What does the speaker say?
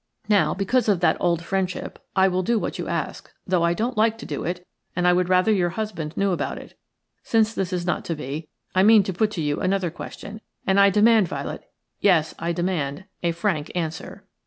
Now, because of that old friendship, I will do what you ask, though I don't like to do it, and I would rather your husband knew about it. Since this is not to be, I mean to put to you another question, and I demand, Violet – yes, I demand – a frank answer."